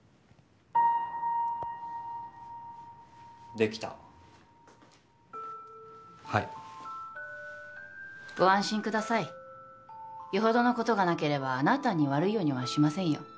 できたはいご安心くださいよほどのことがなければあなたに悪いようにはしませんよ